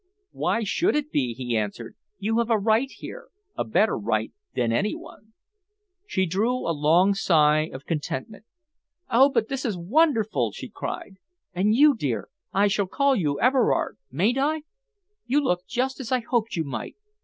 "Why should it be?" he answered. "You have a right here a better right than any one." She drew a long sigh of contentment. "Oh, but this is wonderful!" she cried. "And you dear, I shall call you Everard, mayn't I? you look just as I hoped you might.